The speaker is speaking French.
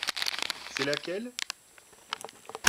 C’est laquelle ?